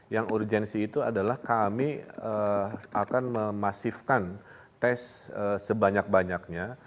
yang urgensi itu adalah kami akan memasifkan tes sebanyak banyaknya